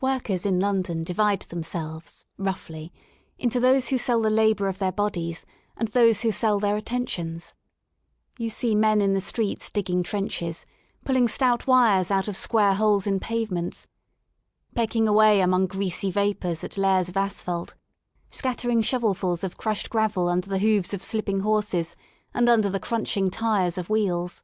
Workers in London divide themselves, roughly, into those who sell the labour of their bodies and those who sell their attentions. You see men in the streets dig ging trenches, pulling stout wires out of square holes in pavements, pecking away among greasy vapours at layers of asphalte, scattering shovelfuls of crushed •t gravel under the hoofs of slipping horses and under the crunching tyres of wheels.